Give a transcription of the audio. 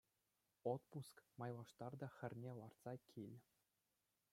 Отпуск майлаштар та хӗрне лартса кил.